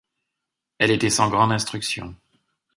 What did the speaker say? Elle était sans grande instruction.